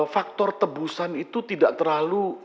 faktor tebusan itu tidak terlalu berperan peran